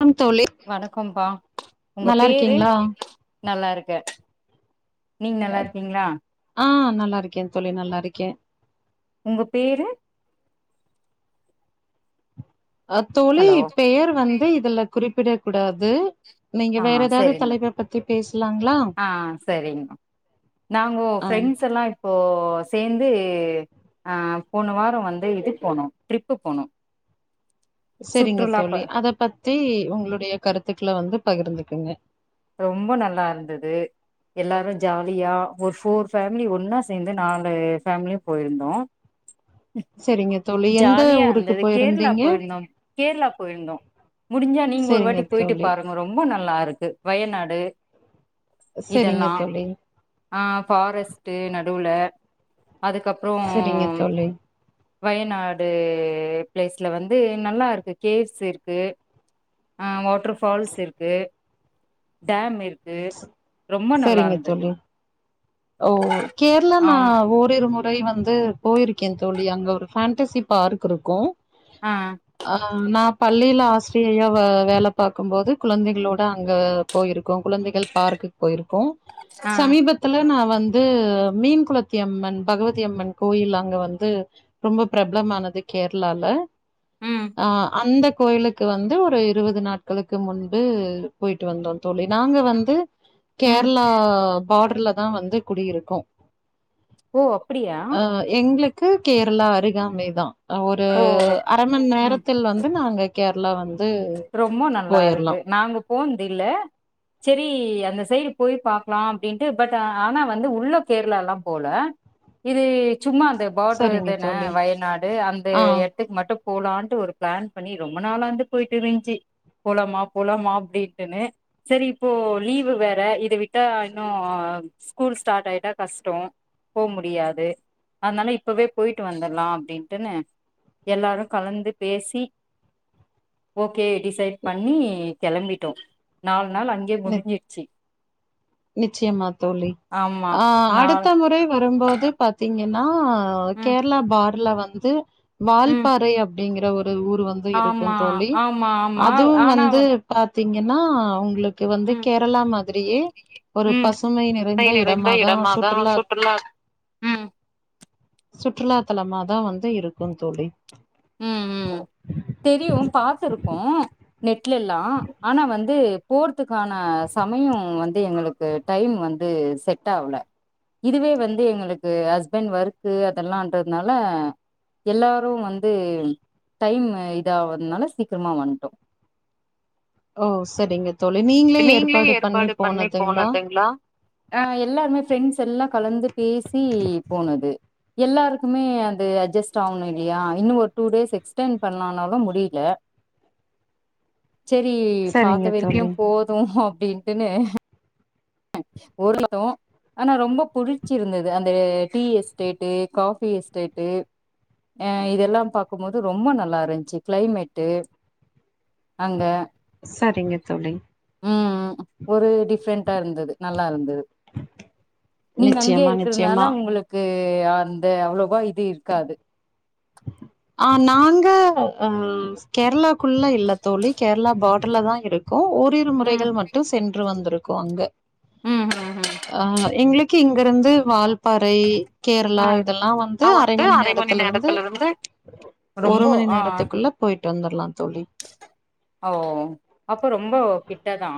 Come தோழி வணக்கம்ப்பா உங்க நல்லா பேரு இருக்கீங்களா நல்லா இருக்க நீங் நல்லா இருக்கீங்ளா ஆ நல்லா இருக்கே தோழி நல்லா இருக்கே உங்க பேரு அ தோழி ஹலோ பெயர் வந்து இதுல குறிப்பிட கூடாது நீங்க ஆ வேற ஏதாது சரிங்க தலைப்ப பத்தி பேசலாங்களா ஆ சரிங்க நாங்கோ ஆ ஃபரெண்ட்ஸ் எல்லா இப் போ சேந்து அ போன வாரோ வந்து இதுக் போனோ ட்ரிப்பு போனோ செரிங்க சுற்றுலா ப தோழி அத பத்தி உங்களுடைய கருத்துக்கள வந்து பகிர்ந்துக்குங்க ரொம்ப நல்லார்ந்தது எல்லாரு ஜாலியா ஒரு ஃபோர் ஃபேமிலி ஒன்னா சேந்து நாலு ஃபேமிலியு போயிருந்தோ செரிங்க ஜாலியா அந்த வெ கேரளா போயிருந்தோ கேரளா போயிருந்தோ முடிஞ்சா நீங்க ஒரு சரிங்க வாட்டி போயிட்டு தோழி பாரு க ரொம்போ நல்லா இருக்கு வயநாடு சரிங்க இதெல்லா தோழி ஆ ஃபாரஸ்ட்டு நடுல அதுக்கப் செரிங்க தோழி வயநாடு பிளேஸ்ல வந்து நல்லாருக்கு கேவ்ஸ் இருக்கு ஆ ஒ ட்ரு ஃபால்ஸ் இருக்கு டேம் இருக்கு ரொம்ப நல்லா சரிங்க இருந்தது தோழி ஓ கேரளா நா ஆமா ஓரு இரு மொ றை வந்து போயிருக்கே தோழி அங்க ஒரு ஃபேண்டஸி பார்க் இருக்கு ஆ அ நா பள்ளியில ஆசிரியையா வேல பார்க்கம்போது குழந்தைகளோட அங்க போயிருக்கோ குழந்தைகள் பார்க்குக்கு போயிருக்கோ ஆ சமீபத்துல நா வந்து மீன் குளத்தி அம்மன் பகவதி அம்மன் கோயில் அங்க வந்து ரொம்ப பிரப்லமானது கேரளால ம் ஆ அந்த கோயிலுக் கு வந்து ஒரு இருபது நாட்களுக்கு முன்பு போயிட்டு வந்தோ தோழி நாங்க வந்து ம் கேரளா பாடர்லதா வந்து குடியிருக்கோ ஓ அப்டியா எங்களுக்கு கேரளா அருகாமை தா ஒரு ஓ அரமண் ம் நேரத்தில் வந்து நாங்க கேரளா வந்து ரொம்போ நல்லா போயிரலாம். இருக்கு நாங்க போன்து இல்ல செரி அந்த சைடு போய் பாக்லா அப்படின்ட்டு பட் ஆனா வந்து உள்ள கேரளா எல்லா போல இது சும்மா அந்த சரிங்க பாடருதான தோழி வயநாடு அந்த ஆ எ துக்கு மட்டு போலான்ட்டு ஒரு ப்ளான் பண்ணி ரொம்ப நாளாந்து போயிட்டு இருந்ச்சு போலாமா போலாமா அப்டின்ட்டுன்னு செரி இப்போ லீவு வேற இத விட்டா இன்னு ஸ்கூல் ஸ்டாட் ஆயிட்டா கஷ்டோ போ முடியாது அதனால இப்பவே போயிட்டு வந்துரலா அப்படின்ட்டுன்னு எல்லாரு கலந்து பேசி ஓகே டிசைட் பண்ணி கெளம்பிட்டோ நாலு நாள் அங்கே நி முடிஞ்ச் சி நிச்சயமா தோழி ஆ அடுத்த நாள் முறை வரும்போது பாத்தீங்கன்னா ம் கேர்ளா பார்டர்ல வந்து ம் வால்பாறை அப்டிங்குற ஒ ரு ஊர் வந்து இருக்கு ஆமா தோழி ஆமா ஆமா அதுவு ஆனா வந்து பாத்தீங்கன்னா உங்களுக்கு வந்து ம் கேரளா மாதிரியே ஒரு ம் பசுமை நிறைந்த இடமாத சுற்றுலா ம் சுற்றுலாத்தலமா தா வந்து இருக்கு தோழி ம் ம் தெரியு பாத்துருக்கோ நெட்லெல்லா ஆனா வந்து போற்துக்கான சமயொ வந்து எங்களுக்கு டைம் வந்து செட் ஆவுல இதுவே வந்து எங்களுக்கு ஹஸ்பண்ட் ஒர்க்கு அதெல்லான்றதுனால எல்லாரு வந்து டைம் இதாவதுனால சீக்கிரமா வந்ட்டோ ஓ சரிங்க தோழி நீங்களே ஏற்பாடு பண்ணி போனதுங்களா அ எல்லாருமே ஃப்ரெண்ட்ஸ் எல்லா கலந்து பேசி போனது எல்லாருக்குமே அது அட்ஜஸ்ட் ஆவணுல்லையா இன்னு ஒரு டூ டேஸ் எக்ஸ்டென் பண்லானாலு முடியில செரி சரிங்க பாத்த வரைக்கு தோழி போது அப்டின்ட்டுன்னு ஒரு தோ ஆனா ரொம்ப புடிச்சிருந்தது அந்த டீ எஸ்டேட்டு காஃபி எஸ்டேட்டு அ இதெல்லா பாக்கும்போது ரொம்போ நல்லா இருந்ச்சு கிளைமேட்டு அங்க சரிங்க தோழி ந்தது நல்லா இருந்தது நீங்க அங்கே நிச்சயமா இருக்குறதுனால நிச்சயமா உங் உங்களுக்கு அந்த அவ்ளோவா இது இருக்காது ஆ நாங்க ஆ கேர்ளாக்குள்ள இல்ல தோழி கேரளா பார்டர்ல தா இருக்கோ ஒரு இரு ம் முறைகள் மட்டு சென்று வந்துருக்கு அ அங்க ம் ம் ம் எங்களுக் கு இங்கிருந்து வால்பாறை கேரளா ஆ இதெல்லா வந்து அரை மணி நேரத்துலருந்து ஒரு ரொம்போ மணி ஆ நேரத்துக்குள்ள போயிட்டு வந்துருலா தோழி ஓ அப்போ ரொம்போ கிட்டதா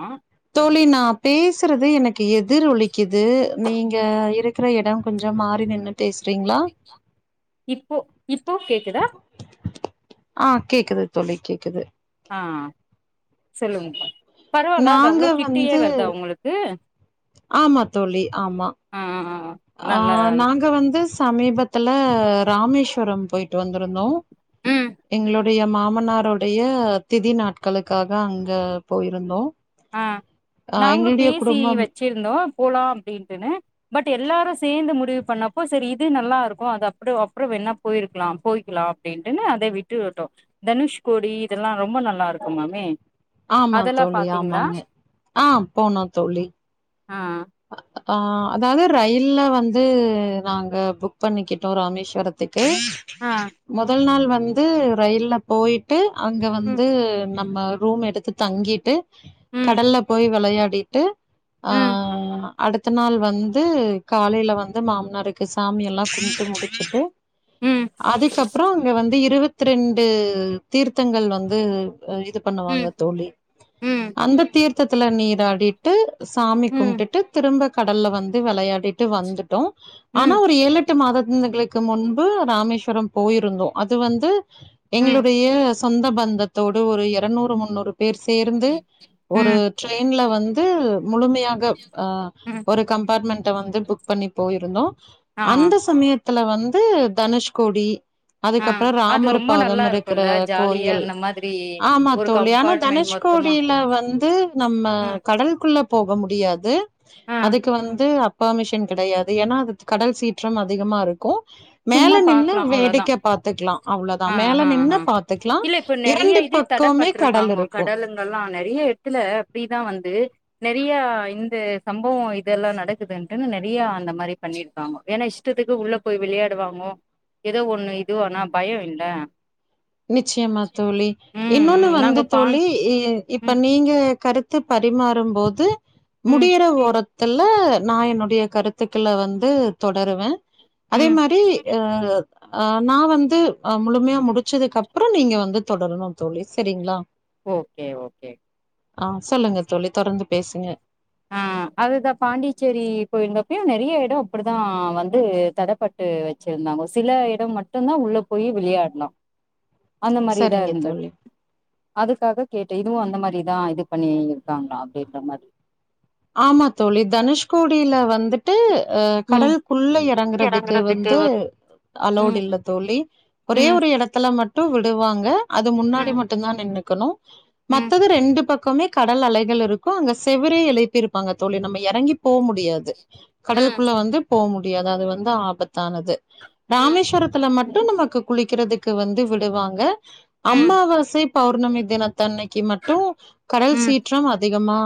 தோழி நா பேசுறது எனக்கு எதிர் ஒலிக்குது நீங்க இரு க்குற இட கொஞ்சொ மாறி நின்னு பேசுறீங்களா இப்போ இப்போ கேக்குதா ஆ கேக்குது தோழி கேக்குது ஆ சொல்லுங்கப்பா பரவாயில்ல அது நாங்க அவ்ளோ கிட்டெயே வந்து வருதா உங்களுக்கு ஆமா தோழி ஆமா ஆ ஆ நாங்க வந்து சமீபத்துல ராமேஸ்வரொ போயிட்டு வந்துருந்தோ ம் எங்களோ டைய மாமனாரோடைய திதி நாட்களுக்காக அங்க போயிருந்தோ ஆ ஆ நாங்களு எங்களுடைய பேசி குடும்பம் வெச்சிருந்தோ போலா அப்டின்ட்டுன்னு பட் எல்லாரு சேர்ந்து முடிவு பண்ணப்போ செரி இது நல்லா இருக்கு அது அப்றொ அப்றோ வேனா போயிருக்குலா போயிக்குலா அப்டின்டுன்னு அத விட்டு விட்டோ தனுஷ்கோடி இதெல்லா ரொம்ப நல்லா இருக்கும்மாமே ஆமா தோழி ஆமாங்க ஆ போனோ தோழி ஆ ஆ அதாது ரயில்ல வந்து நாங்க புக் பண்ணிக்கிட்டோ ராமேஸ்வரத் துக்கு ஆ முதல் நாள் வந்து ரயில்ல போய்ட்டு அங்க ம் வந்து நம்ம ரூம் எடுத்து தங்கிட்டு ம் கடல்ல போய் விளையாடி ட்டு ஆ ம் அடுத்த நாள் வந்து காலைல வந்து மாமனருக்கு சாமி எல்லா கும்புட்டு முடிச்சுட்டு ம் அதுக்கப்றோ அங்க வந்து இருவத்தி ரெண்டு தீர்த்தங்கள் வந்து இது பண்ணுவாங்க ம் தோழி ம் அந்த தீர்த்தத்துல நீராடி ட்டு சாமி ம் கும்பிட்டுட்டு திரும்ப கடல்ல வந்து வெளயாடிட்டு வந்துட்டோ ஆனா ம் ஒரு ஏழு எட்டு மாதத்ங்களுக்கு முன்பு ராமேஸ்வரம் போயிருந்தோ அது வந்து ம் எங்களுடைய சொந்த பந்தத்தோடு ஒரு எறநூறு முன்னூறு பேர் சேர்ந்து ஒரு ம் ட்ரெயின்ல வந்து முழுமையாக ஆ ம் ஒரு கம்பாட்மெண்ட வந்து புக் பண்ணி போயிருந்தோ ஆ அந்த சமயத் துல வந்து தனுஷ்கோடி ஆ அதுக்கப் அப்ப அது ராமர் ரொம்ப பாதம் நல்லா இருக்கிற இருக்குல்ல ஜாலியா கோயில் அந்த மாதிரி ஆமா ஒரு தோழி ஆனா கம்பார்ட்மெண்ட் தனுஷ் மொத்தமா கோடில வந்து நம்ம ம் கடல் குள்ளப் போக முடியாது ஆ அதுக்கு வந்து அப் பேமிஷன் கிடையாது ஏன்னா அது கடல் சீற்றம் அதிகமாருக்கு சும்மா மேல நின்னு பாக்கலா அவ்ளோதா வேடிக்க பாத்துக்கலா அவ்ளோ தா ஆ மேல ஆ ஆ நின்னு பாத்துக்கலா இல்ல இப்ப இரண்டு பக் கவுமே கடல் இருக்கு இப்பலா நெறைய எடத்துல இப்டி தா வந்து நெறைய இந்த சம்பவோ இதெல்லா நடக்குதுன்டுன்னு நெறைய அந்த மாரி பண்ணிருக்காங்கோ ஏனா இஷ் டத்துக்கு உள்ள போய் விளையாடுவாங்கோ ஏதோ ஒண்ணு இது ஆனா பயோ இல்ல நிச்யமா தோழி ம் இன்னோன்னு ம் வந்து நாங்க பான் தோழி இ இப்ப ம் நீங்க கருத்து பரிமாறும்போது ம் முடியற ஓரத்துல நா என்னுடைய கருத்துக்கள வந்து தொடருவே அதே ம். மாரி அ அ நா வந்து முழுமையா முடிச் சதுக்கப்றோ நீங்க வந்து தொடரணு தோழி சரிங்ளா ஓகே ஓகே ஆ சொல்லுங்க தோழி தொடர்ந்து பேசுங்க ஆ அதுதா பாண்டிச்சேரி போய்ருந்தப்பயு நெறய எடம் அப்புடிதா வந்து தடப்பட் டு வச்சிருந்தாங்க சில எடம் மட்டுந்தா உள்ள போயி விளாயாட்லா அந்த மாரிதா சரிங்க இருந்தது தோழி. அதுக்காக கேட்டே இதுவு அந்த மாரிதா இது பண்ணி இருக்காங்ளா அப்டின்ற மாரி ஆமா தோழி தனுஷ்கோடில வந்துட் டு அ ம். கடல் குள்ள இறங்குறதுக்கு எறங்குறதுக்கு வந்து வ அலோட் ம், இல்ல தோழி ஒரே ம், ஒரு இடத்துல மட் டு விடுவாங்க அது முன்னாடி ம், மட்டு தா நின்னுக்கணு ம், மத்தது ரெண்டு பக்கமே கடல் அலைகள் இருக்கு அங்க செவுரே எழுப்பிருப்பாங்க தோழி நம்ம இறங்கி போ முடியாது கடல் ம், குள்ள வந்து போ முடியாது அது வந்து ஆபத்தானது ம், ராமேஸ்வரத்துல மட்டு நமக்கு குளிக்கறதுக்கு வந்து விடுவாங்க ம், அம்மாவாசை பௌர்ணமி தினத்தன்னைக்கு மட்டு ம், கடல் ம், சீற்றம் அதிகமா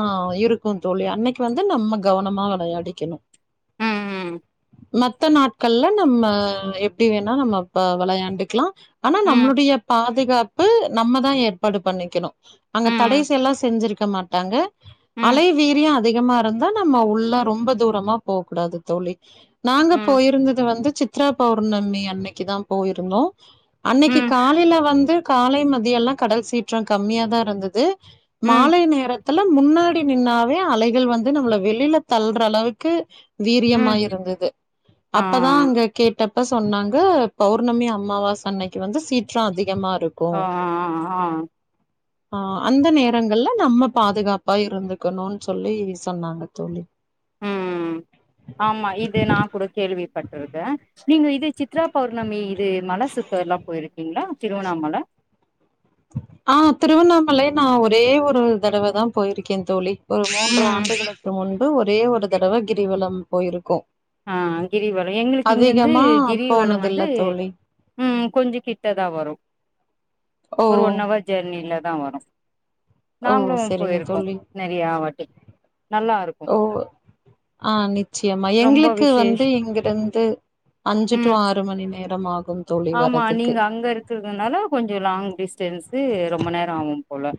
இருக் கு தோழி அன்னைக்கு வந்து நம்ம கவனமா வெளயாடிக்ணு ம் மத்த நாட்கள்ல நம்ம எப்டி வேணா நம்ம ப வெளயாண்டுகுலா ஆனா ம், ம், நம்மளுடைய பாதுகாப்பு நம்ம தா ஏற்பாடு பண்ணிக்கணு அங்க தடைச எல்லா செஞ்சுருக்க மாட்டாங்க ம், அலை வீரிய அதிகமா இருந்தா நம்ம உள்ள ரொம்ப தூரமா போ கூடாது தோழி அ நாங்க போயிருந்தது வந்து சித்ரா பௌர்ணமி அன்னைக்கு தா போயிருந்தோ அன்னைகி ம், காலேல வந்து காலை மதியலா கடல் சீற்ற கம்மியா தா இருந்தது ம், மாலை நேரத்துல முன்னா டி நின்னாவே அலைகள் வந்து நம்மள வெளில தளர அளவுக்கு வீரியமா ம், இருந்தது ஆ, அப்பதா அங்க கேட்டப்ப சொன்னாங்க பௌர்ணமி அம்மாவாச அன்னைக்கு வந்து சீற்றோ அதிகமா ருக் ஆ ஆ ஆ ஆ அந்த நேரங்கள்ல நம்ம பாதுகாப்பா இரு இருந்துக்கணுன்னு சொல்லி சொன்னாங்க தோழி ம் ஆமா இது நா கூட கேள்விப்பட்டுருக்கே நீங்க இது சித்ரா பௌர்ணமி இது மலை சுத்த எல்லா போயிருக்கீங்களா திருவண்ணாமலை ஆ திருவண்ணாமலை நா ஒரே ஒரு தடவ தா போயிருக்கே தோழி ஒரு மூன்று ம் ஆண்டுகளுக்கு முன்பு ஒரே ஒரு தடவை கிரிவள போயிருக்கோ ஆஹ் கிரிவளம் எங்களுக்கு இங்கிருந்து கிரிவளம் போனதில்ல வந்து தோழி. ம் கொஞ்சோ கிட்டதா வரு ஓ! ஒரு ஒன் வர் ஜெர்னில தா வரு ஓ! நாங்களு சரிங்க போயிருக்கோ தோழி. நெறையவட்டி நல்லா இருக்கு ஆஹ் நித் நிச்சயமா ரொம்ப எங்களுக்கு வந்து விசேஷ் இங்கிருந்து அஞ்சு டு ம் ஆறு மணி நேரம் ஆகு ஆமா நீங்க அங்க இருக்கு னால கொஞ்சோ லாங் டிஸ்டன் ரொம்ப நேர ஆகு போல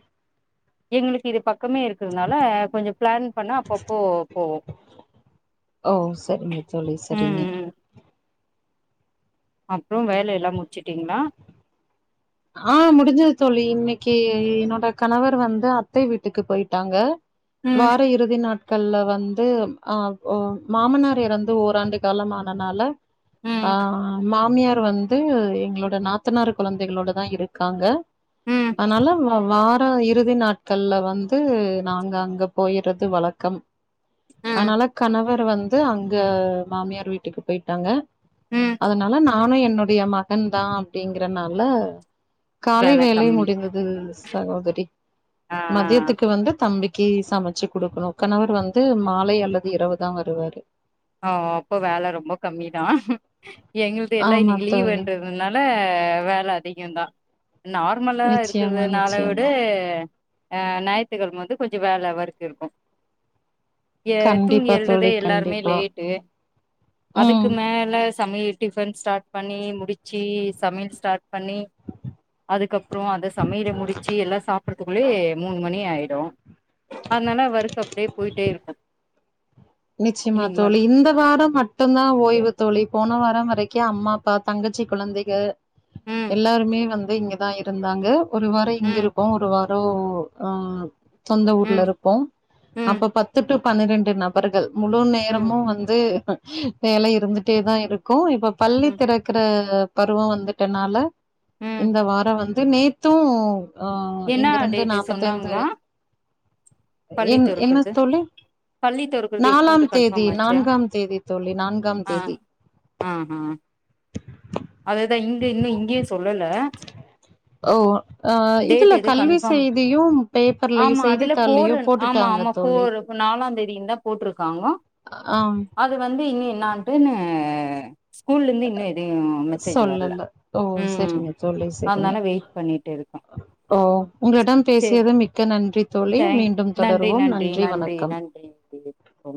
எங்களுக்கு இது பக்கம் பக்கமே இருக்கிறதுனால கொஞ்சோ பிளான் பண்ணா அப்பப்போ போவோ ஓ சேரிங்க தோழி ம் சேரிங்க ம் அப்புறோ வேலை எல்லா முடிச்சுட்டீங்களா ஆ முடிஞ்சது தோழி இன்னைக்கு என்னோட கணவர் வந்து அத்தை வீட்டுக்கு போயிட்டாங்க ம் வார இறுதி நாட் நாட்கள்ல வந்து ஆ ஓ மாமனார் இறந்து ஓராண்டு கால ஆனதுனால ஆ ம் மாமியார் வந்து எங்களோட நாத்தனார் குழந்தைகளோட தா இருக்காங்க ம் அதனால வா இறுதி நாட்கள்ல வந்து நாங்க அங்க போயறது வழக்கம் ம் அதனால கணவர் வந்து அங்க மாமியார் வீட்டுக்கு போயிட்டாங்க ம் அதனால நானு என்னுடைய மகன் தா அப்படிங்குறதுனால காலை வேல வேலை கம்மி முடிந்தது சகோதரி ஆ மதியத்துக்கு வந்து தம்பி கி சமைச்சு குடுக்கணு கணவர் வந்து மாலை அல்லது இரவு தா வருவாரு ஆ அப்போ வேலை ரொம்ப கம்மி தா எங்களுது எல்லா ஆமா இன்னைக்கு தோழி லீவ்ன்றது னால அதனால வேலை அதிகதா நார்மலா நிச்சயமா இருக்கிறதுனால விட நிச்சயமா அஹ ஞாயிறுத்துகிழமா வந்து கொஞ்சோ வேலை வொர்க் இருக்கு ஏ தூங்கி கண்டிப்பா எழுறதே தோழி எல்லாருமே கண்டிப்பா லேட்டு அதுக்கு ம் மே மேல சமைய டிஃபன் ஸ்டார்ட் பண்ணி முடிச்சு சமையல் ஸ்டார்ட் பண்ணி அதுக்கு அப்புறோ அத சமையல முடிச்சு எல்லா சாப்பட த்துக்குள்ளே மூணு மணி ஆயிடு அதனால ஒர்க் அப்படியே போயிட்டே இருக்கு நிச்சயமா இன்னைக்கு தோழி மட் இந்த வார மட்டுதா ஓய்வு தோழி போன வார வரைக்கு அம்மா அப்பா தங்கச்சி குழந்தைகள் ம் எல்லாருமே வந்து இங்க தா இருந்தாங்க ஒரு வார இங்க ம் இருப்போ ஒரு வார ஆஹ் சொந்த ஊர்ல ம் இருப்போம் ம் அப்ப பத்து டூ பன்னிரெண்டு நபர்கள் முழு ம் நேரமு வந்து வேல இருந்துட்டே தான் இருக்கும் இப்ப பள்ளி ம் திறக்குற பருவம் வந்துட்டனால ம் இந்த வாரம் வந்து நேத் தும் ஆ என்ன இங்கிருந்து டேட்டு நாப்பத்து ஐந்து சொன்னாங்களா பள்ளி என் என்ன தொறக்கறது தோழி பள்ளி தொறக்கறது நாலாம் எப்போன்ட்டு தேதி கன்ஃபார்ம் ஆச்சா நான்காம் தேதி தோழி நான்காம் தேதி ஆஹா அததான் இங்க இன்னும் இங்கயே சொல்ல ஓ ஓ ஆ இதுல எது கல்வி கன்ஃபார்ம் செய்தியும் பேப்பர்லயும் ஆமா செய்தித்தாள்லயோ போட்டுட்டாங்க தோழி இப்ப நாலாம் தேதி தான் போட்ருக்காங்க ஆ அது வந்து இன்னும் நடுன்ன ஸ்கூல்ல இருந்து இன்னும் எதயும் மெசேஜ் வரல சொல்லல ஓ ம் சரிங்க தோழி சரிங்க அதனால வெயிட் பண்ணிட்டு இருக்கு கும் ஓ உங்களிடம் பேசியது மிக்க நன்றி தோழி தேங்க் மீண்டும் நன்றி தொடருவோம் நன்றி வணக்கம் நன்றி